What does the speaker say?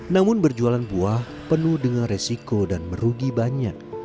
namun berjualan buah penuh dengan resiko dan merugi banyak